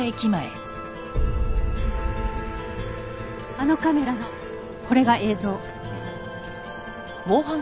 あのカメラのこれが映像。